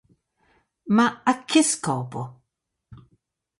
Ma a che scopo?